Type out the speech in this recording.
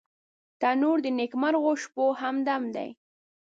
تنور د نیکمرغه شپو همدم دی